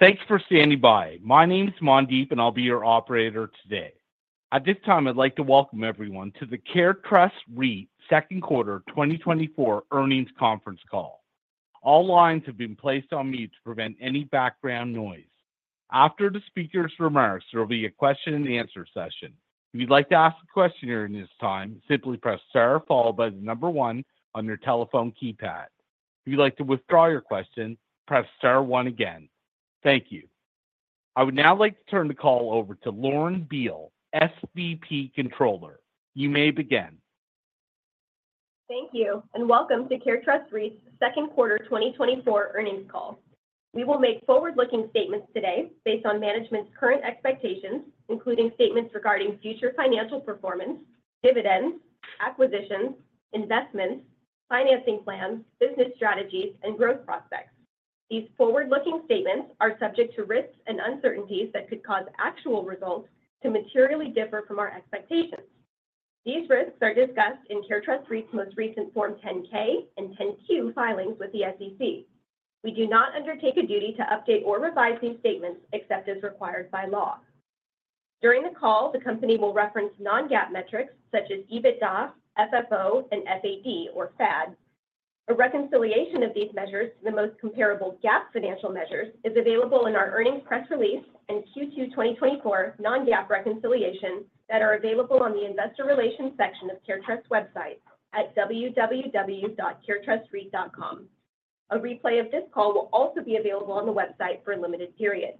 Thanks for standing by. My name is Mandeep, and I'll be your operator today. At this time, I'd like to welcome everyone to the CareTrust REIT second quarter 2024 earnings conference call. All lines have been placed on mute to prevent any background noise. After the speakers' remarks, there will be a question-and-answer session. If you'd like to ask a question during this time, simply press star followed by the number one on your telephone keypad. If you'd like to withdraw your question, press star one again. Thank you. I would now like to turn the call over to Lauren Beale, SVP Controller. You may begin. Thank you, and welcome to CareTrust REIT's second quarter 2024 earnings call. We will make forward-looking statements today based on management's current expectations, including statements regarding future financial performance, dividends, acquisitions, investments, financing plans, business strategies, and growth prospects. These forward-looking statements are subject to risks and uncertainties that could cause actual results to materially differ from our expectations. These risks are discussed in CareTrust REIT's most recent Form 10-K and 10-Q filings with the SEC. We do not undertake a duty to update or revise these statements except as required by law. During the call, the company will reference non-GAAP metrics such as EBITDA, FFO, and FAD, or FAD, a reconciliation of these measures to the most comparable GAAP financial measures is available in our earnings press release and Q2 2024 non-GAAP reconciliation that are available on the investor relations section of CareTrust's website at www.caretrustreit.com. A replay of this call will also be available on the website for a limited period.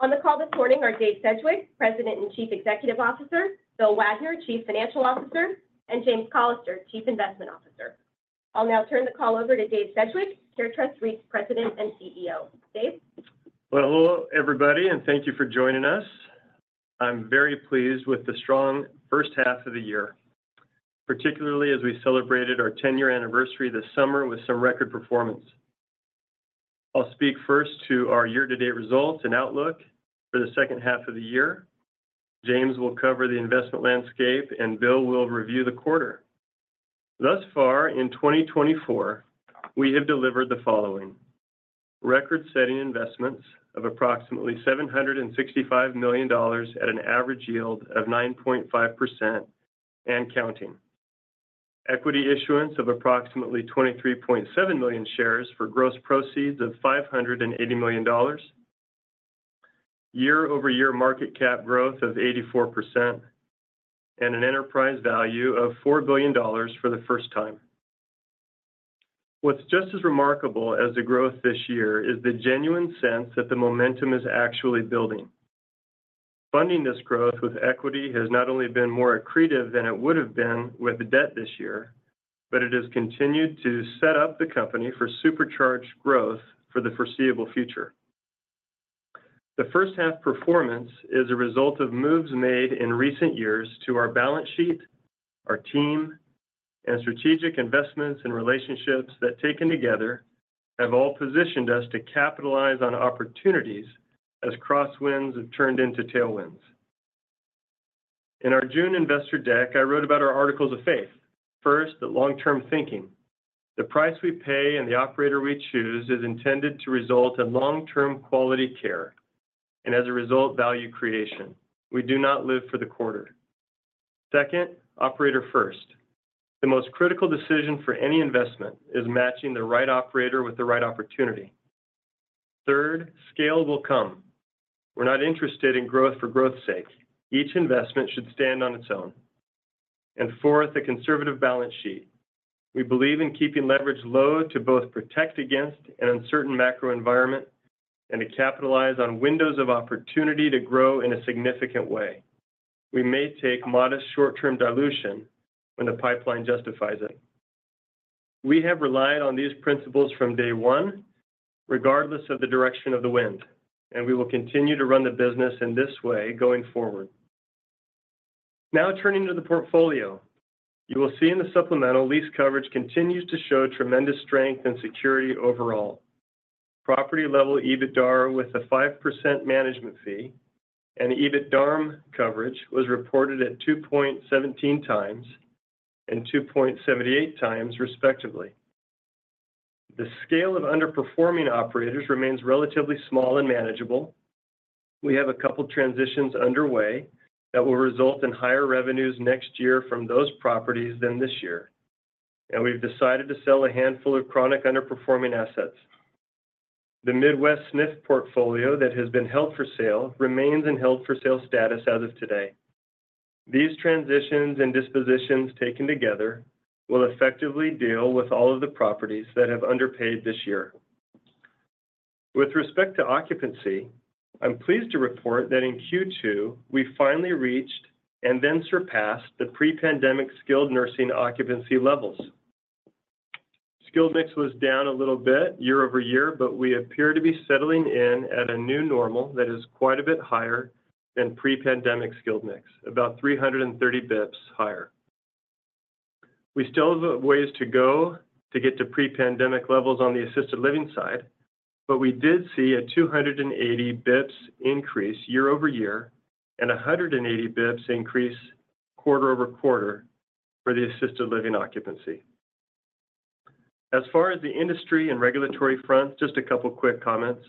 On the call this morning are Dave Sedgwick, President and Chief Executive Officer, Bill Wagner, Chief Financial Officer, and James Callister, Chief Investment Officer. I'll now turn the call over to Dave Sedgwick, CareTrust REIT's President and CEO. Dave? Well, hello, everybody, and thank you for joining us. I'm very pleased with the strong first half of the year, particularly as we celebrated our 10-year anniversary this summer with some record performance. I'll speak first to our year-to-date results and outlook for the second half of the year. James will cover the investment landscape, and Bill will review the quarter. Thus far, in 2024, we have delivered the following: record-setting investments of approximately $765 million at an average yield of 9.5% and counting. Equity issuance of approximately 23.7 million shares for gross proceeds of $580 million. Year-over-year market cap growth of 84%. And an enterprise value of $4 billion for the first time. What's just as remarkable as the growth this year is the genuine sense that the momentum is actually building. Funding this growth with equity has not only been more accretive than it would have been with debt this year, but it has continued to set up the company for supercharged growth for the foreseeable future. The first half performance is a result of moves made in recent years to our balance sheet, our team, and strategic investments and relationships that, taken together, have all positioned us to capitalize on opportunities as crosswinds have turned into tailwinds. In our June investor deck, I wrote about our articles of faith. First, that long-term thinking, the price we pay and the operator we choose is intended to result in long-term quality care and, as a result, value creation. We do not live for the quarter. Second, operator first. The most critical decision for any investment is matching the right operator with the right opportunity. Third, scale will come. We're not interested in growth for growth's sake. Each investment should stand on its own. And fourth, a conservative balance sheet. We believe in keeping leverage low to both protect against an uncertain macro environment and to capitalize on windows of opportunity to grow in a significant way. We may take modest short-term dilution when the pipeline justifies it. We have relied on these principles from day one, regardless of the direction of the wind, and we will continue to run the business in this way going forward. Now, turning to the portfolio, you will see in the supplemental lease coverage continues to show tremendous strength and security overall. Property-level EBITDA with a 5% management fee and EBITDA coverage was reported at 2.17x and 2.78x, respectively. The scale of underperforming operators remains relatively small and manageable. We have a couple of transitions underway that will result in higher revenues next year from those properties than this year, and we've decided to sell a handful of chronic underperforming assets. The Midwest SNF portfolio that has been held for sale remains in held-for-sale status as of today. These transitions and dispositions taken together will effectively deal with all of the properties that have underpaid this year. With respect to occupancy, I'm pleased to report that in Q2, we finally reached and then surpassed the pre-pandemic skilled nursing occupancy levels. Skilled mix was down a little bit year-over-year, but we appear to be settling in at a new normal that is quite a bit higher than pre-pandemic skilled mix, about 330 basis points higher. We still have ways to go to get to pre-pandemic levels on the assisted living side, but we did see a 280 basis points increase year-over-year and 180 basis points increase quarter-over-quarter for the assisted living occupancy. As far as the industry and regulatory front, just a couple of quick comments.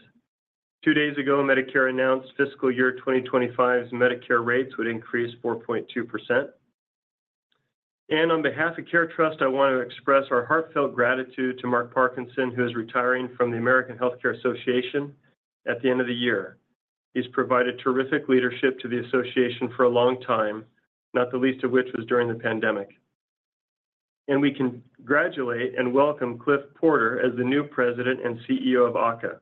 Two days ago, Medicare announced fiscal year 2025's Medicare rates would increase 4.2%. On behalf of CareTrust, I want to express our heartfelt gratitude to Mark Parkinson, who is retiring from the American Health Care Association at the end of the year. He's provided terrific leadership to the association for a long time, not the least of which was during the pandemic. We congratulate and welcome Clif Porter as the new president and CEO of AHCA.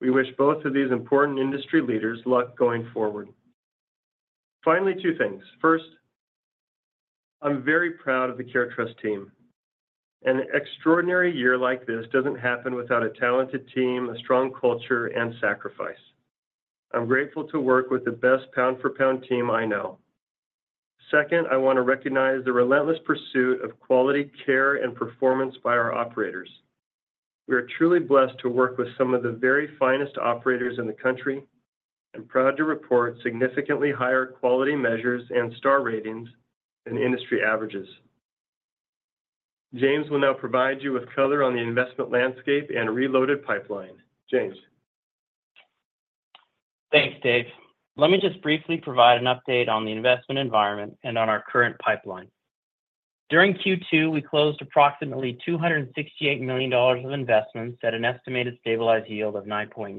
We wish both of these important industry leaders luck going forward. Finally, two things. First, I'm very proud of the CareTrust team. An extraordinary year like this doesn't happen without a talented team, a strong culture, and sacrifice. I'm grateful to work with the best pound-for-pound team I know. Second, I want to recognize the relentless pursuit of quality care and performance by our operators. We are truly blessed to work with some of the very finest operators in the country and proud to report significantly higher quality measures and star ratings than industry averages. James will now provide you with color on the investment landscape and reloaded pipeline. James? Thanks, Dave. Let me just briefly provide an update on the investment environment and on our current pipeline. During Q2, we closed approximately $268 million of investments at an estimated stabilized yield of 9.9%.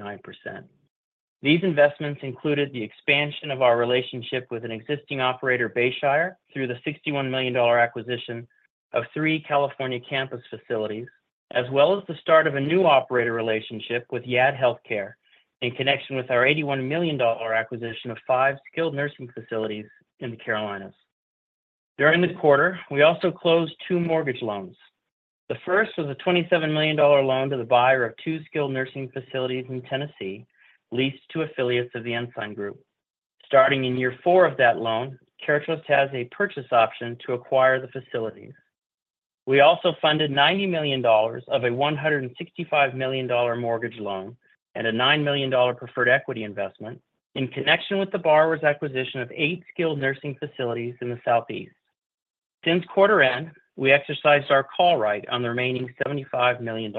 These investments included the expansion of our relationship with an existing operator, BayShire, through the $61 million acquisition of three California campus facilities, as well as the start of a new operator relationship with Yad Healthcare in connection with our $81 million acquisition of five skilled nursing facilities in the Carolinas. During the quarter, we also closed two mortgage loans. The first was a $27 million loan to the buyer of two skilled nursing facilities in Tennessee leased to affiliates of the Ensign Group. Starting in year four of that loan, CareTrust has a purchase option to acquire the facilities. We also funded $90 million of a $165 million mortgage loan and a $9 million preferred equity investment in connection with the borrower's acquisition of 8 skilled nursing facilities in the Southeast. Since quarter-end, we exercised our call right on the remaining $75 million.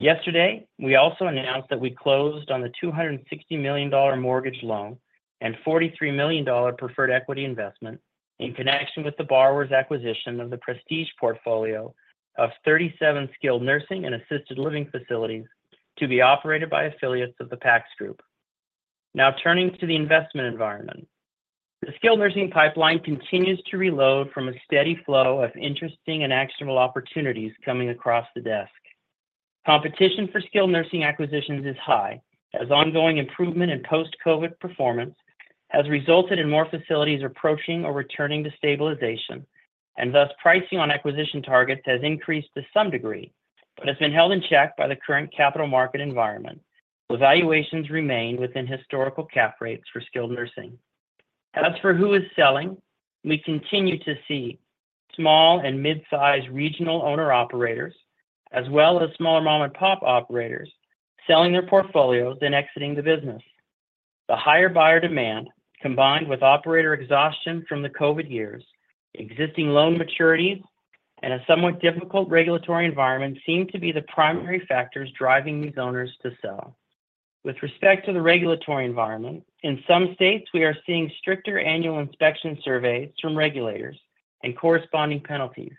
Yesterday, we also announced that we closed on the $260 million mortgage loan and $43 million preferred equity investment in connection with the borrower's acquisition of the Prestige portfolio of 37 skilled nursing and assisted living facilities to be operated by affiliates of the PACS Group. Now, turning to the investment environment, the skilled nursing pipeline continues to reload from a steady flow of interesting and actionable opportunities coming across the desk. Competition for skilled nursing acquisitions is high, as ongoing improvement in post-COVID performance has resulted in more facilities approaching or returning to stabilization, and thus pricing on acquisition targets has increased to some degree but has been held in check by the current capital market environment. The valuations remain within historical cap rates for skilled nursing. As for who is selling, we continue to see small and mid-size regional owner-operators, as well as small mom-and-pop operators, selling their portfolios and exiting the business. The higher buyer demand, combined with operator exhaustion from the COVID years, existing loan maturities, and a somewhat difficult regulatory environment seem to be the primary factors driving these owners to sell. With respect to the regulatory environment, in some states, we are seeing stricter annual inspection surveys from regulators and corresponding penalties.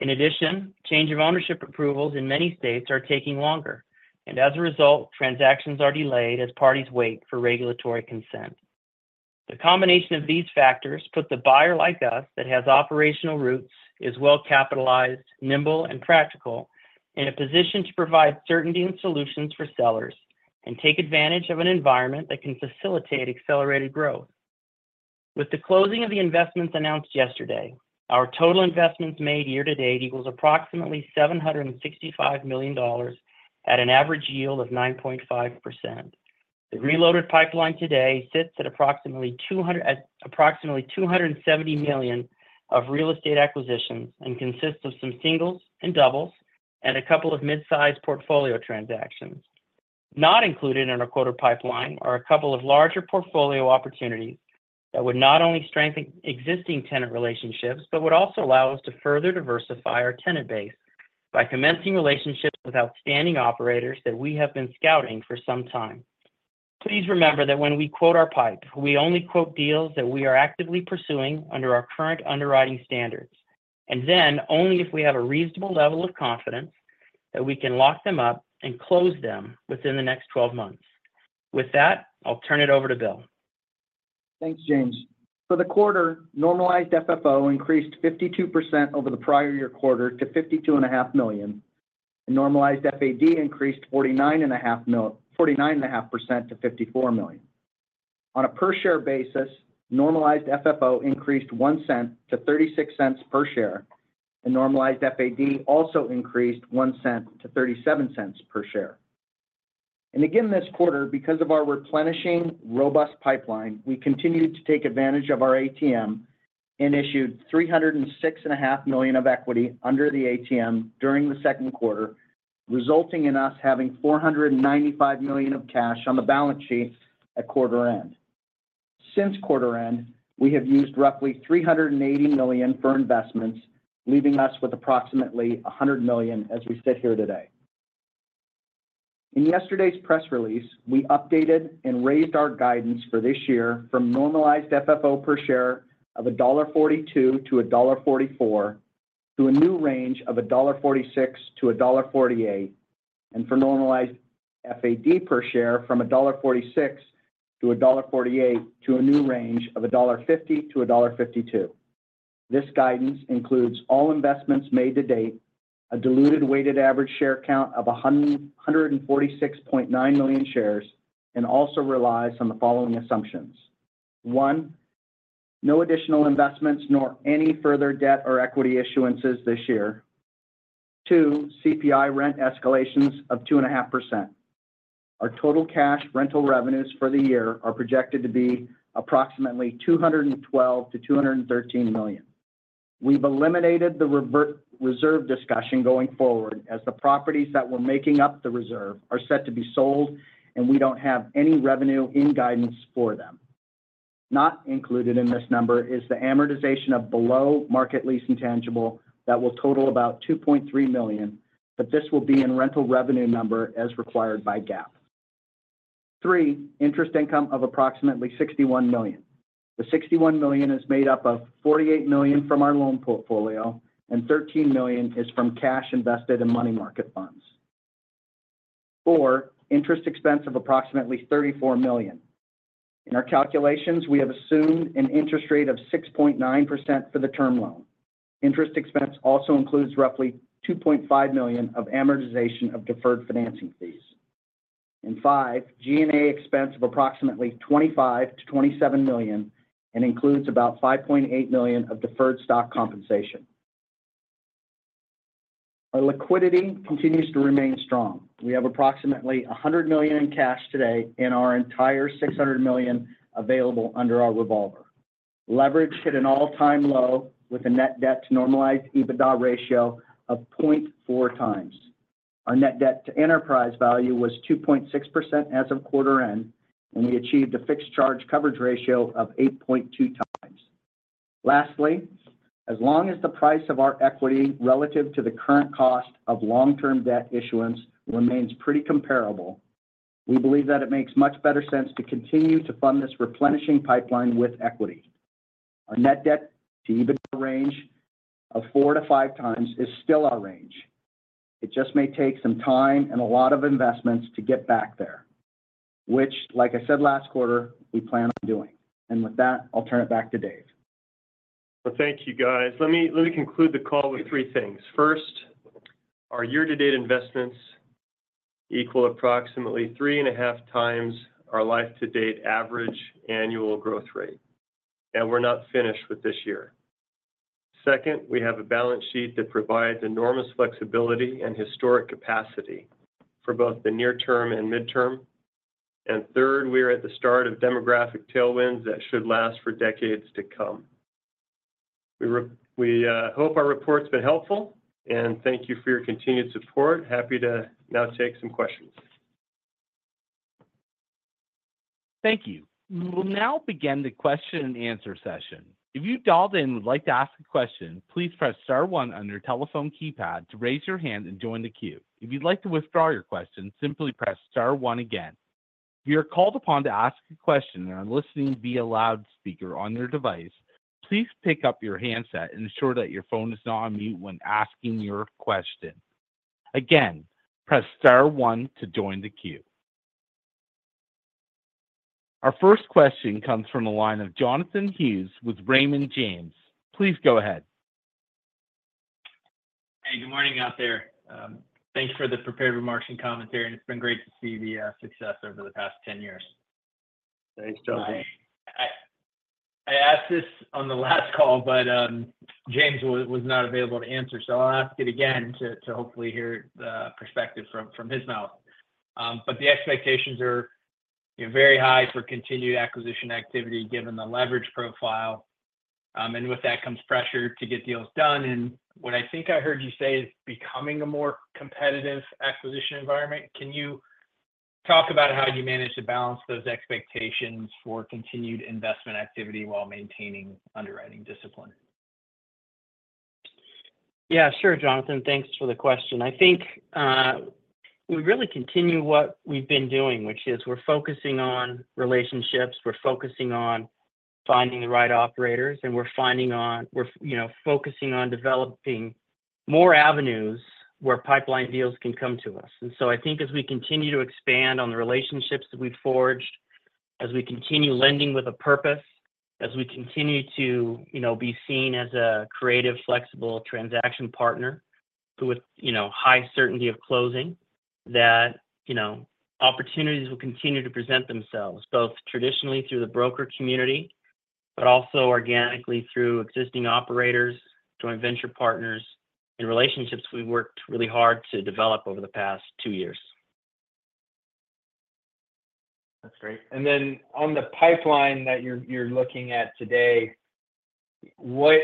In addition, change of ownership approvals in many states are taking longer, and as a result, transactions are delayed as parties wait for regulatory consent. The combination of these factors puts the buyer like us that has operational roots, is well-capitalized, nimble, and practical, in a position to provide certainty and solutions for sellers and take advantage of an environment that can facilitate accelerated growth. With the closing of the investments announced yesterday, our total investments made year-to-date equals approximately $765 million at an average yield of 9.5%. The reloaded pipeline today sits at approximately $270 million of real estate acquisitions and consists of some singles and doubles and a couple of mid-size portfolio transactions. Not included in our quarter pipeline are a couple of larger portfolio opportunities that would not only strengthen existing tenant relationships but would also allow us to further diversify our tenant base by commencing relationships with outstanding operators that we have been scouting for some time. Please remember that when we quote our pipe, we only quote deals that we are actively pursuing under our current underwriting standards, and then only if we have a reasonable level of confidence that we can lock them up and close them within the next 12 months. With that, I'll turn it over to Bill. Thanks, James. For the quarter, normalized FFO increased 52% over the prior year quarter to $52.5 million, and normalized FAD increased 49.5% to $54 million. On a per-share basis, normalized FFO increased $0.01 to $0.36 per share, and normalized FAD also increased $0.01 to $0.37 per share. And again this quarter, because of our replenishing robust pipeline, we continued to take advantage of our ATM and issued $306.5 million of equity under the ATM during the second quarter, resulting in us having $495 million of cash on the balance sheet at quarter end. Since quarter end, we have used roughly $380 million for investments, leaving us with approximately $100 million as we sit here today. In yesterday's press release, we updated and raised our guidance for this year from normalized FFO per share of $1.42-$1.44 to a new range of $1.46-$1.48, and for normalized FAD per share from $1.46-$1.48 to a new range of $1.50-$1.52. This guidance includes all investments made to date, a diluted weighted average share count of $146.9 million shares, and also relies on the following assumptions: one, no additional investments nor any further debt or equity issuances this year; two, CPI rent escalations of 2.5%. Our total cash rental revenues for the year are projected to be approximately $212 million-$213 million. We've eliminated the reserve discussion going forward as the properties that were making up the reserve are set to be sold, and we don't have any revenue in guidance for them. Not included in this number is the amortization of below market lease intangible that will total about $2.3 million, but this will be in rental revenue number as required by GAAP. Three, interest income of approximately $61 million. The $61 million is made up of $48 million from our loan portfolio, and $13 million is from cash invested in money market funds. Four, interest expense of approximately $34 million. In our calculations, we have assumed an interest rate of 6.9% for the term loan. Interest expense also includes roughly $2.5 million of amortization of deferred financing fees. Five, G&A expense of approximately $25 million-$27 million and includes about $5.8 million of deferred stock compensation. Our liquidity continues to remain strong. We have approximately $100 million in cash today and our entire $600 million available under our revolver. Leverage hit an all-time low with a net debt to normalized EBITDA ratio of 0.4x. Our net debt to enterprise value was 2.6% as of quarter end, and we achieved a fixed charge coverage ratio of 8.2x. Lastly, as long as the price of our equity relative to the current cost of long-term debt issuance remains pretty comparable, we believe that it makes much better sense to continue to fund this replenishing pipeline with equity. Our net debt to EBITDA range of 4-5x is still our range. It just may take some time and a lot of investments to get back there, which, like I said last quarter, we plan on doing. And with that, I'll turn it back to Dave. Well, thank you, guys. Let me conclude the call with three things. First, our year-to-date investments equal approximately 3.5x our life-to-date average annual growth rate, and we're not finished with this year. Second, we have a balance sheet that provides enormous flexibility and historic capacity for both the near term and mid term. Third, we are at the start of demographic tailwinds that should last for decades to come. We hope our report's been helpful, and thank you for your continued support. Happy to now take some questions. Thank you. We'll now begin the question-and-answer session. If you've dialed in and would like to ask a question, please press star one on your telephone keypad to raise your hand and join the queue. If you'd like to withdraw your question, simply press star one again. If you're called upon to ask a question and are listening via loudspeaker on your device, please pick up your handset and ensure that your phone is not on mute when asking your question. Again, press star one to join the queue. Our first question comes from the line of Jonathan Hughes with Raymond James. Please go ahead. Hey, good morning out there. Thanks for the prepared remarks and commentary. It's been great to see the success over the past 10 years. Thanks, Jonathan. I asked this on the last call, but James was not available to answer, so I'll ask it again to hopefully hear the perspective from his mouth. But the expectations are very high for continued acquisition activity given the leverage profile, and with that comes pressure to get deals done. And what I think I heard you say is becoming a more competitive acquisition environment. Can you talk about how you manage to balance those expectations for continued investment activity while maintaining underwriting discipline? Yeah, sure, Jonathan. Thanks for the question. I think we really continue what we've been doing, which is we're focusing on relationships, we're focusing on finding the right operators, and we're focusing on developing more avenues where pipeline deals can come to us. And so I think as we continue to expand on the relationships that we've forged, as we continue lending with a purpose, as we continue to be seen as a creative, flexible transaction partner with high certainty of closing, that opportunities will continue to present themselves both traditionally through the broker community but also organically through existing operators, joint venture partners, and relationships we've worked really hard to develop over the past two years. That's great. And then on the pipeline that you're looking at today, what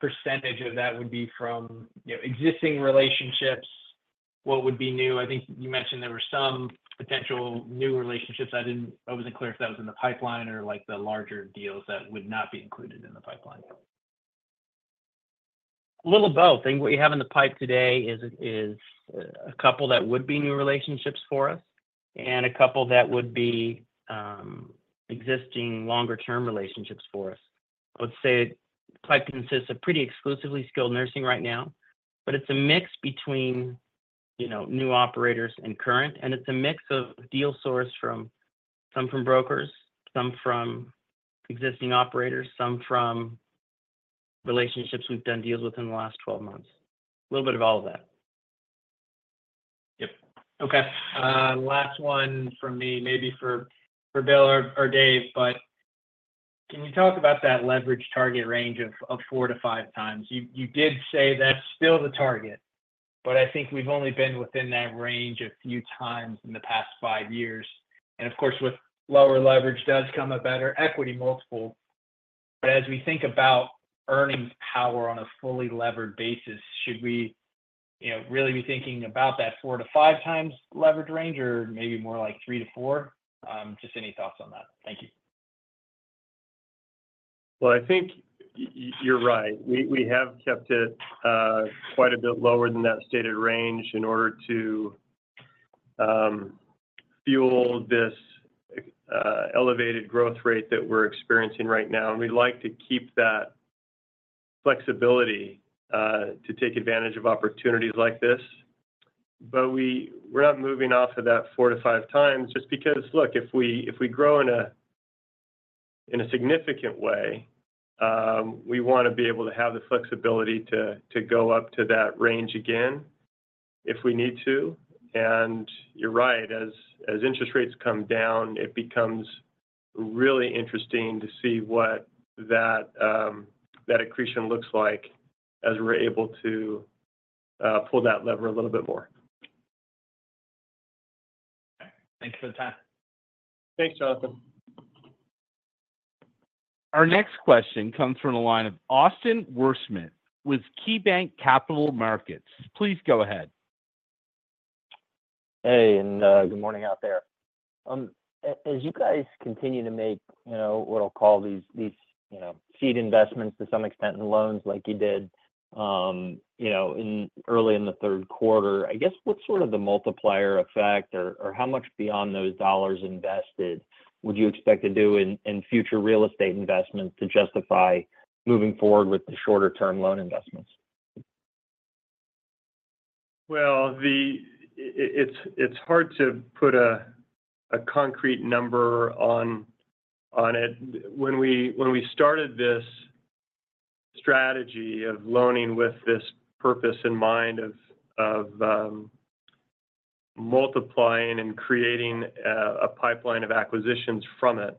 percentage of that would be from existing relationships? What would be new? I think you mentioned there were some potential new relationships. I wasn't clear if that was in the pipeline or the larger deals that would not be included in the pipeline. A little of both. I think what you have in the pipe today is a couple that would be new relationships for us and a couple that would be existing longer-term relationships for us. I would say the pipe consists of pretty exclusively skilled nursing right now, but it's a mix between new operators and current, and it's a mix of deal sources from some brokers, some from existing operators, some from relationships we've done deals with in the last 12 months. A little bit of all of that. Yep. Okay. Last one from me, maybe for Bill or Dave, but can you talk about that leverage target range of 4x-5x? You did say that's still the target, but I think we've only been within that range a few times in the past five years. And of course, with lower leverage does come a better equity multiple. But as we think about earning power on a fully levered basis, should we really be thinking about that 4x-5x leverage range or maybe more like 3x-4x? Just any thoughts on that? Thank you. Well, I think you're right. We have kept it quite a bit lower than that stated range in order to fuel this elevated growth rate that we're experiencing right now. We'd like to keep that flexibility to take advantage of opportunities like this, but we're not moving off of that 4x-5x just because, look, if we grow in a significant way, we want to be able to have the flexibility to go up to that range again if we need to. You're right, as interest rates come down, it becomes really interesting to see what that accretion looks like as we're able to pull that lever a little bit more. Thanks for the time. Thanks, Jonathan. Our next question comes from the line of Austin Wurschmidt with KeyBanc Capital Markets. Please go ahead. Hey, and good morning out there. As you guys continue to make what I'll call these seed investments to some extent and loans like you did early in the third quarter, I guess what's sort of the multiplier effect or how much beyond those dollars invested would you expect to do in future real estate investments to justify moving forward with the shorter-term loan investments? Well, it's hard to put a concrete number on it. When we started this strategy of loaning with this purpose in mind of multiplying and creating a pipeline of acquisitions from it,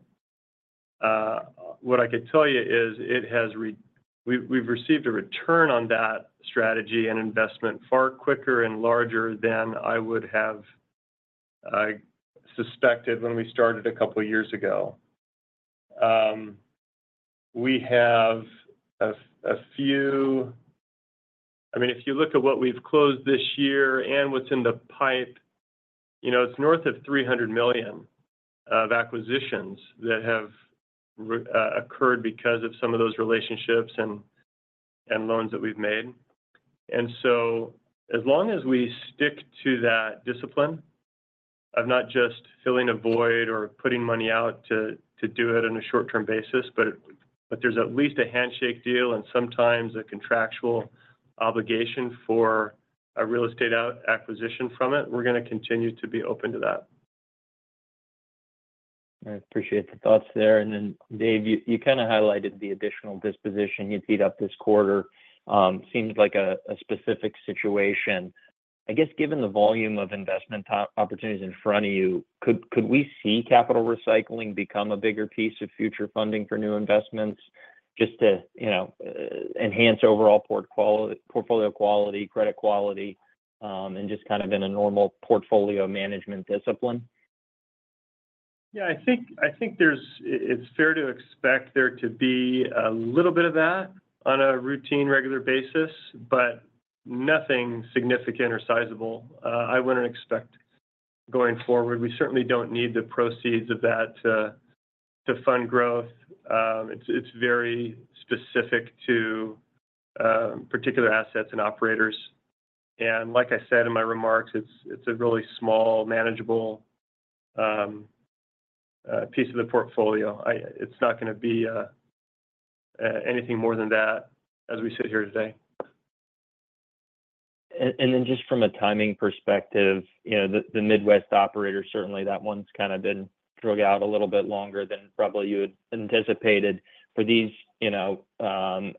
what I could tell you is we've received a return on that strategy and investment far quicker and larger than I would have suspected when we started a couple of years ago. We have a few—I mean, if you look at what we've closed this year and what's in the pipe, it's north of $300 million of acquisitions that have occurred because of some of those relationships and loans that we've made. And so as long as we stick to that discipline of not just filling a void or putting money out to do it on a short-term basis, but there's at least a handshake deal and sometimes a contractual obligation for a real estate acquisition from it, we're going to continue to be open to that. I appreciate the thoughts there. Then, Dave, you kind of highlighted the additional disposition you'd need up this quarter. It seems like a specific situation. I guess given the volume of investment opportunities in front of you, could we see capital recycling become a bigger piece of future funding for new investments just to enhance overall portfolio quality, credit quality, and just kind of in a normal portfolio management discipline? Yeah, I think it's fair to expect there to be a little bit of that on a routine regular basis, but nothing significant or sizable. I wouldn't expect going forward. We certainly don't need the proceeds of that to fund growth. It's very specific to particular assets and operators. And like I said in my remarks, it's a really small, manageable piece of the portfolio. It's not going to be anything more than that as we sit here today. Then just from a timing perspective, the Midwest operator, certainly that one's kind of been dragged out a little bit longer than probably you had anticipated. For these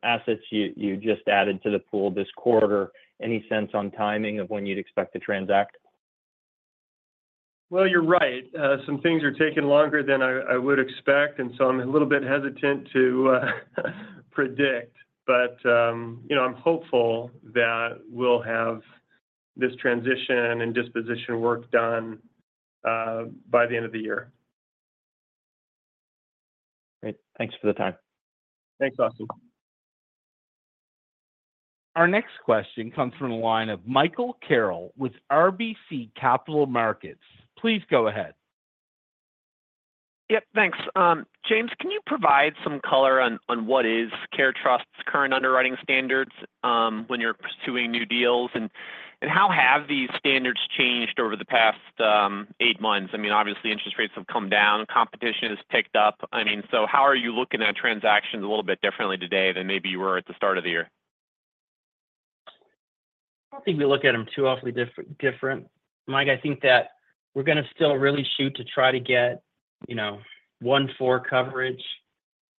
assets you just added to the pool this quarter, any sense on timing of when you'd expect to transact? Well, you're right. Some things are taking longer than I would expect, and so I'm a little bit hesitant to predict. But I'm hopeful that we'll have this transition and disposition work done by the end of the year. Great. Thanks for the time. Thanks, Austin. Our next question comes from the line of Michael Carroll with RBC Capital Markets. Please go ahead. Yep, thanks. James, can you provide some color on what is CareTrust's current underwriting standards when you're pursuing new deals, and how have these standards changed over the past eight months? I mean, obviously, interest rates have come down, competition has picked up. I mean, so how are you looking at transactions a little bit differently today than maybe you were at the start of the year? I don't think we look at them too awfully different. Mike, I think that we're going to still really shoot to try to get 1.4 coverage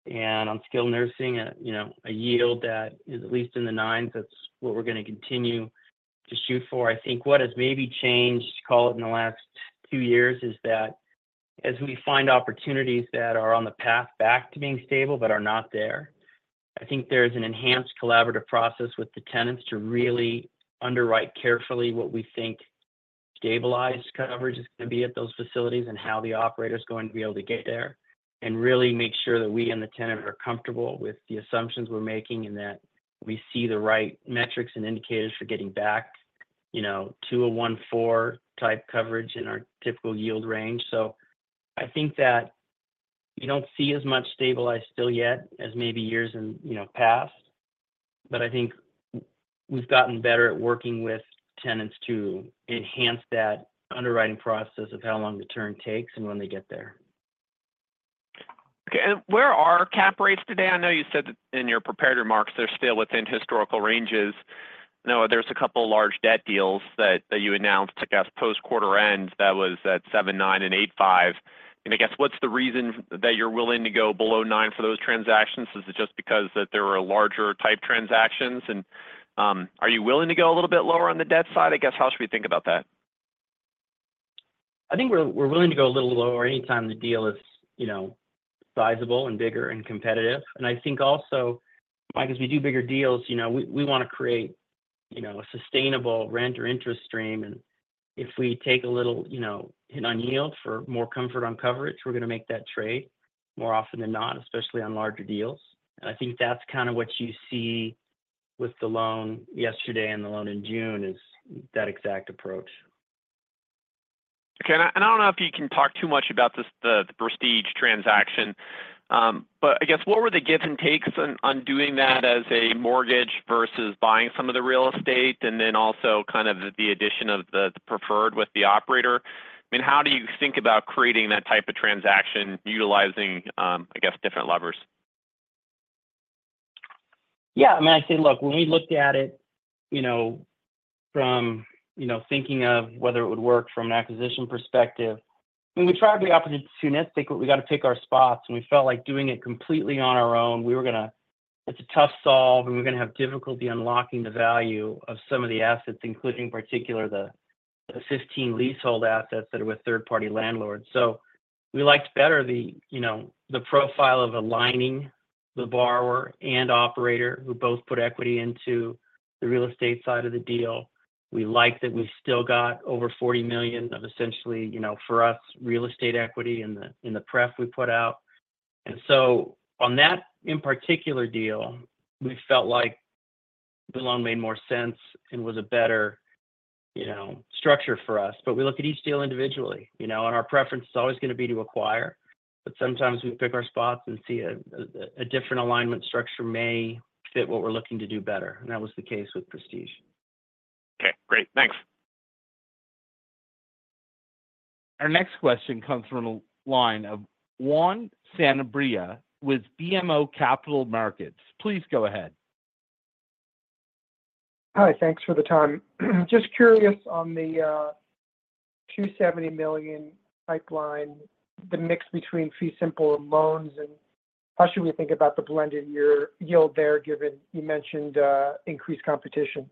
and on skilled nursing a yield that is at least in the nines. That's what we're going to continue to shoot for. I think what has maybe changed, call it in the last two years, is that as we find opportunities that are on the path back to being stable but are not there, I think there's an enhanced collaborative process with the tenants to really underwrite carefully what we think stabilized coverage is going to be at those facilities and how the operator's going to be able to get there and really make sure that we and the tenant are comfortable with the assumptions we're making and that we see the right metrics and indicators for getting back to a 1.4-type coverage in our typical yield range. I think that you don't see as much stabilized still yet as maybe years in the past, but I think we've gotten better at working with tenants to enhance that underwriting process of how long the turn takes and when they get there. Okay. Where are cap rates today? I know you said in your prepared remarks they're still within historical ranges. I know there's a couple of large debt deals that you announced, I guess, post-quarter end that was at 7, 9, and 8.5. I guess what's the reason that you're willing to go below nine for those transactions? Is it just because that there are larger-type transactions? Are you willing to go a little bit lower on the debt side? I guess how should we think about that? I think we're willing to go a little lower anytime the deal is sizable and bigger and competitive. And I think also, Mike, as we do bigger deals, we want to create a sustainable rent or interest stream. And if we take a little hit on yield for more comfort on coverage, we're going to make that trade more often than not, especially on larger deals. And I think that's kind of what you see with the loan yesterday and the loan in June is that exact approach. Okay. And I don't know if you can talk too much about the Prestige transaction, but I guess what were the give and takes on doing that as a mortgage versus buying some of the real estate and then also kind of the addition of the preferred with the operator? I mean, how do you think about creating that type of transaction utilizing, I guess, different levers? Yeah. I mean, I say, look, when we looked at it from thinking of whether it would work from an acquisition perspective, I mean, we tried the opportunistically. We got to pick our spots. And we felt like doing it completely on our own, we were going to. It's a tough solve, and we're going to have difficulty unlocking the value of some of the assets, including in particular the 15 leasehold assets that are with third-party landlords. So we liked better the profile of aligning the borrower and operator who both put equity into the real estate side of the deal. We liked that we still got over $40 million of essentially, for us, real estate equity in the prep we put out. And so on that in particular deal, we felt like the loan made more sense and was a better structure for us. But we look at each deal individually, and our preference is always going to be to acquire, but sometimes we pick our spots and see a different alignment structure may fit what we're looking to do better. And that was the case with Prestige. Okay. Great. Thanks. Our next question comes from the line of Juan Sanabria with BMO Capital Markets. Please go ahead. Hi. Thanks for the time. Just curious on the $270 million pipeline, the mix between fee simple loans and how should we think about the blended yield there given you mentioned increased competition?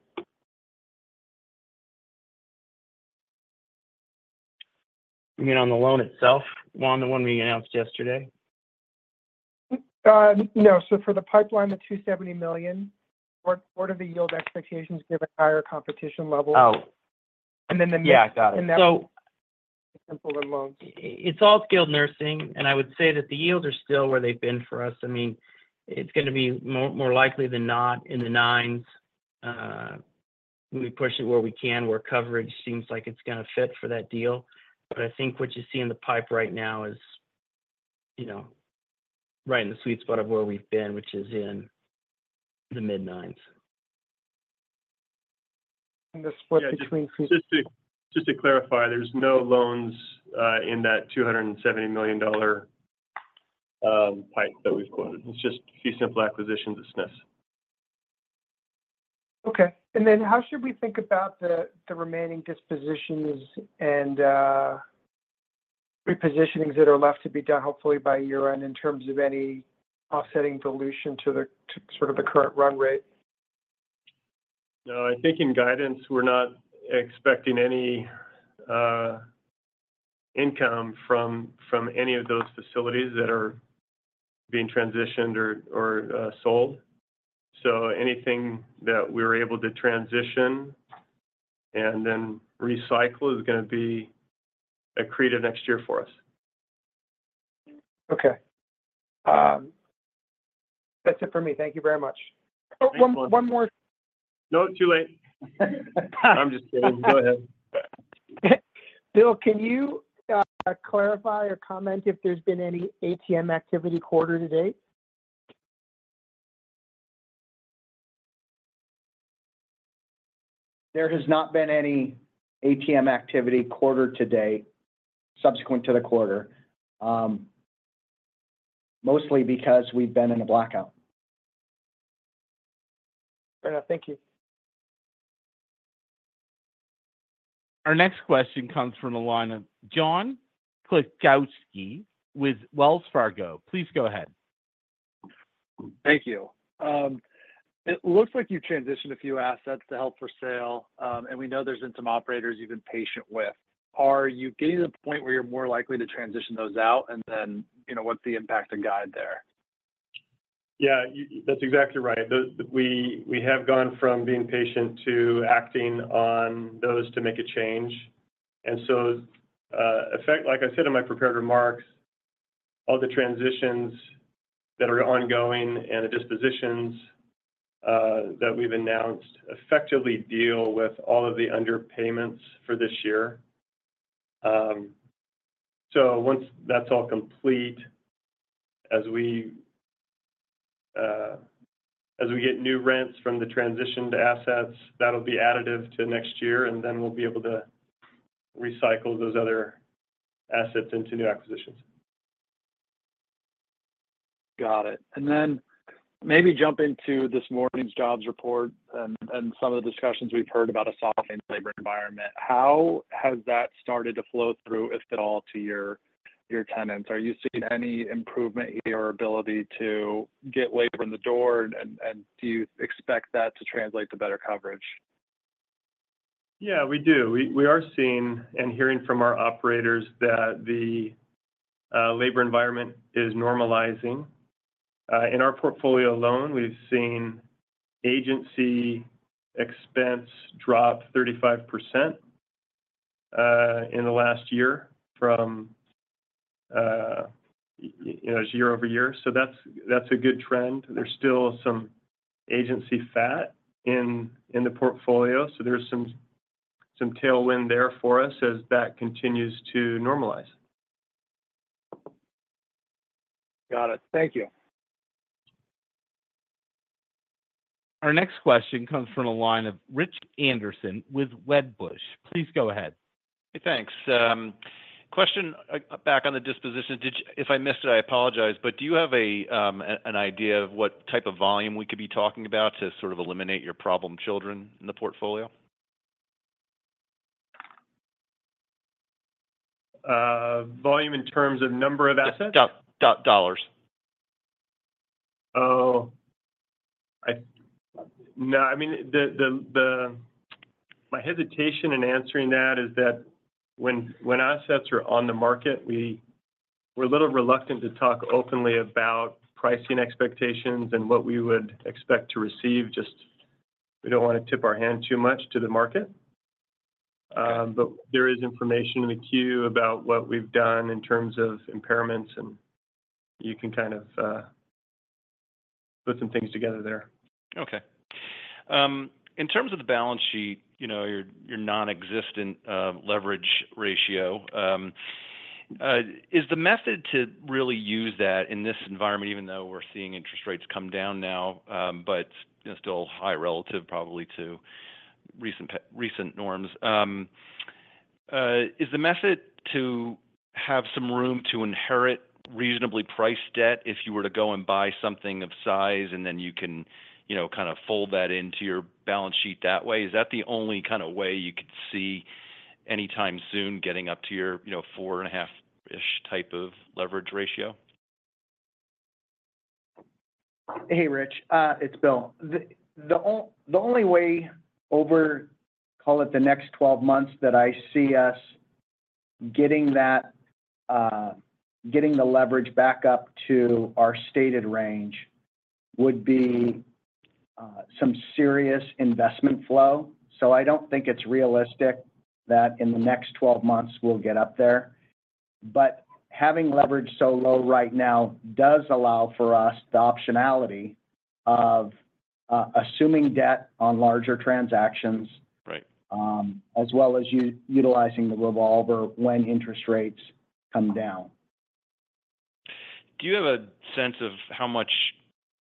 You mean on the loan itself, Juan, the one we announced yesterday? No. So for the pipeline, the $270 million, what are the yield expectations given higher competition levels? And then the mix. Oh, yeah. Got it. Simple and loans. It's all skilled nursing, and I would say that the yields are still where they've been for us. I mean, it's going to be more likely than not in the nines when we push it where we can, where coverage seems like it's going to fit for that deal. But I think what you see in the pipe right now is right in the sweet spot of where we've been, which is in the mid-nines. The split between fee simple. Just to clarify, there's no loans in that $270 million pipe that we've quoted. It's just fee simple acquisitions at SNFs. Okay. And then how should we think about the remaining dispositions and repositionings that are left to be done, hopefully, by year-end in terms of any offsetting dilution to sort of the current run rate? No. I think in guidance, we're not expecting any income from any of those facilities that are being transitioned or sold. So anything that we're able to transition and then recycle is going to be a credit to next year for us. Okay. That's it for me. Thank you very much. Next one. Oh, one more. No, too late. I'm just kidding. Go ahead. Bill, can you clarify or comment if there's been any ATM activity quarter-to-date? There has not been any ATM activity quarter-to-date subsequent to the quarter, mostly because we've been in a blackout. Fair enough. Thank you. Our next question comes from the line of John Kilichowski with Wells Fargo. Please go ahead. Thank you. It looks like you've transitioned a few assets to held for sale, and we know there's been some operators you've been patient with. Are you getting to the point where you're more likely to transition those out, and then what's the impact to guide there? Yeah, that's exactly right. We have gone from being patient to acting on those to make a change. So, like I said in my prepared remarks, all the transitions that are ongoing and the dispositions that we've announced effectively deal with all of the underpayments for this year. So, once that's all complete, as we get new rents from the transitioned assets, that'll be additive to next year, and then we'll be able to recycle those other assets into new acquisitions. Got it. And then maybe jump into this morning's jobs report and some of the discussions we've heard about a softening labor environment. How has that started to flow through, if at all, to your tenants? Are you seeing any improvement in your ability to get labor in the door, and do you expect that to translate to better coverage? Yeah, we do. We are seeing and hearing from our operators that the labor environment is normalizing. In our portfolio alone, we've seen agency expense drop 35% in the last year from year-over-year. So that's a good trend. There's still some agency fat in the portfolio, so there's some tailwind there for us as that continues to normalize. Got it. Thank you. Our next question comes from the line of Rich Anderson with Wedbush. Please go ahead. Hey, thanks. Question back on the disposition. If I missed it, I apologize, but do you have an idea of what type of volume we could be talking about to sort of eliminate your problem children in the portfolio? Volume in terms of number of assets? Dollars. Oh, no. I mean, my hesitation in answering that is that when assets are on the market, we're a little reluctant to talk openly about pricing expectations and what we would expect to receive. Just we don't want to tip our hand too much to the market. But there is information in the queue about what we've done in terms of impairments, and you can kind of put some things together there. Okay. In terms of the balance sheet, your nonexistent leverage ratio, is the method to really use that in this environment, even though we're seeing interest rates come down now but still high relative probably to recent norms, is the method to have some room to inherit reasonably priced debt if you were to go and buy something of size and then you can kind of fold that into your balance sheet that way? Is that the only kind of way you could see anytime soon getting up to your 4.5-ish type of leverage ratio? Hey, Rich. It's Bill. The only way over, call it the next 12 months, that I see us getting the leverage back up to our stated range would be some serious investment flow. So, I don't think it's realistic that in the next 12 months we'll get up there. But having leverage so low right now does allow for us the optionality of assuming debt on larger transactions as well as utilizing the revolver when interest rates come down. Do you have a sense of how much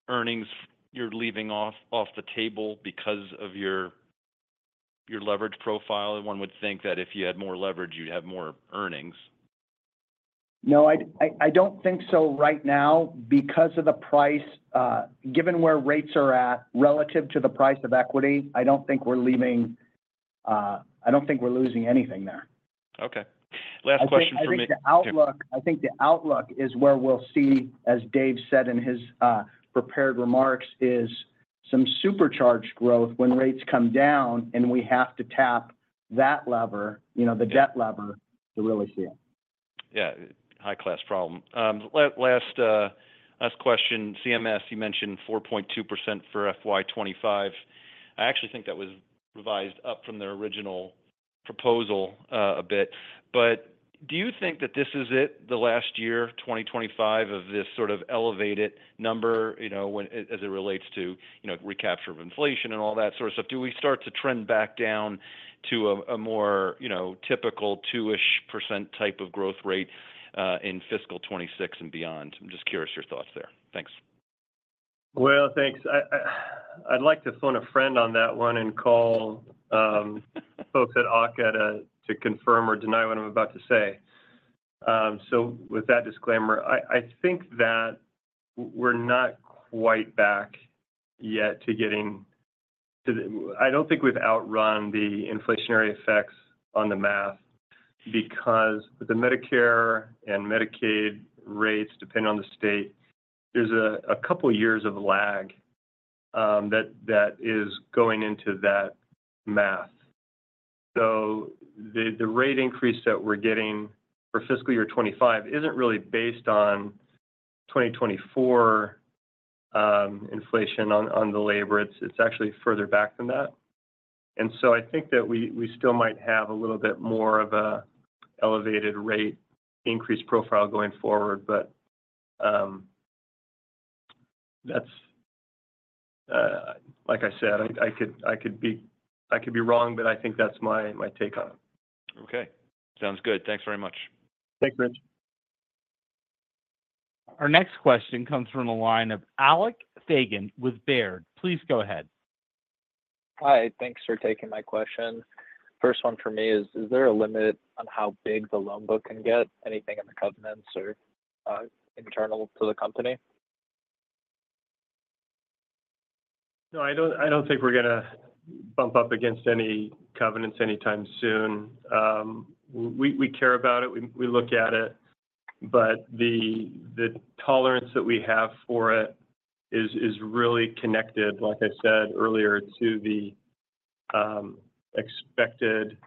earnings you're leaving off the table because of your leverage profile? One would think that if you had more leverage, you'd have more earnings. No, I don't think so right now. Because of the price, given where rates are at relative to the price of equity, I don't think we're leaving, I don't think we're losing anything there. Okay. Last question for me. I think the outlook is where we'll see, as Dave said in his prepared remarks, is some supercharged growth when rates come down, and we have to tap that lever, the debt lever, to really see it. Yeah. High-class problem. Last question. CMS, you mentioned 4.2% for FY 2025. I actually think that was revised up from their original proposal a bit. But do you think that this is it, the last year, 2025, of this sort of elevated number as it relates to recapture of inflation and all that sort of stuff? Do we start to trend back down to a more typical 2-ish % type of growth rate in fiscal 2026 and beyond? I'm just curious your thoughts there. Thanks. Well, thanks. I'd like to phone a friend on that one and call folks at AHCA to confirm or deny what I'm about to say. So with that disclaimer, I think that we're not quite back yet to getting, I don't think we've outrun the inflationary effects on the math because with the Medicare and Medicaid rates, depending on the state, there's a couple of years of lag that is going into that math. So the rate increase that we're getting for fiscal year 2025 isn't really based on 2024 inflation on the labor. It's actually further back than that. And so I think that we still might have a little bit more of an elevated rate increase profile going forward, but that's, like I said, I could be wrong, but I think that's my take on it. Okay. Sounds good. Thanks very much. Thanks, Rich. Our next question comes from the line of Alec Feygin with Baird. Please go ahead. Hi. Thanks for taking my question. First one for me is, is there a limit on how big the loan book can get, anything in the covenants or internal to the company? No, I don't think we're going to bump up against any covenants anytime soon. We care about it. We look at it. But the tolerance that we have for it is really connected, like I said earlier, to the expected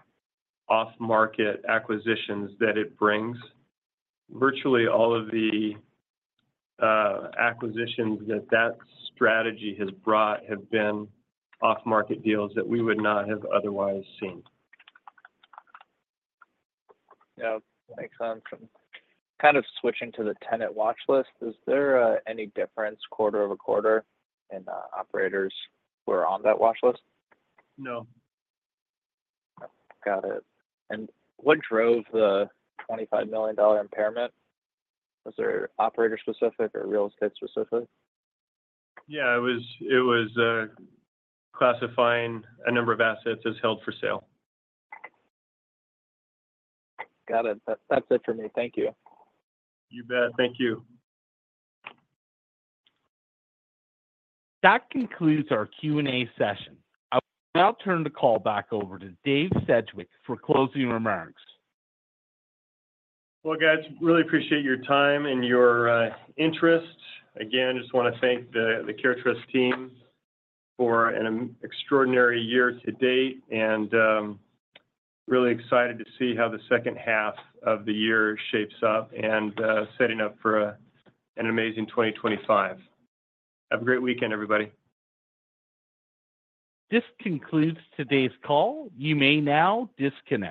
off-market acquisitions that it brings. Virtually all of the acquisitions that that strategy has brought have been off-market deals that we would not have otherwise seen. Yeah. Thanks for answering. Kind of switching to the tenant watchlist, is there any difference quarter-over-quarter in operators who are on that watchlist? No. Got it. What drove the $25 million impairment? Was there operator-specific or real estate-specific? Yeah. It was classifying a number of assets as held for sale. Got it. That's it for me. Thank you. You bet. Thank you. That concludes our Q&A session. I'll turn the call back over to Dave Sedgwick for closing remarks. Well, guys, really appreciate your time and your interest. Again, just want to thank the CareTrust team for an extraordinary year to date, and really excited to see how the second half of the year shapes up and setting up for an amazing 2025. Have a great weekend, everybody. This concludes today's call. You may now disconnect.